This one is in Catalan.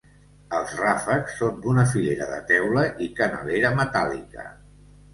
Els ràfecs són d'una filera de teula i canalera metàl·lica.